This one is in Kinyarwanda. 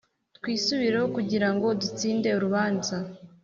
Twisubireho kugira ngo dutsinde urubanza